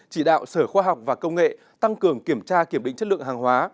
chỉ đạo sở khoa học và công nghệ tăng cường kiểm tra kiểm định chất lượng hàng hóa